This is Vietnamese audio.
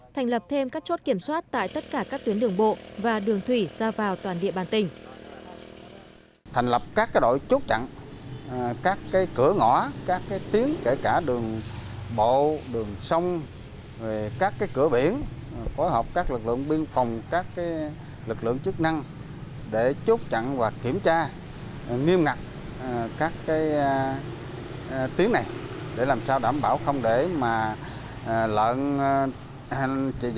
thành lập thêm các chốt kiểm soát tại tất cả các tuyến đường bộ và đường thủy ra vào toàn địa bàn tỉnh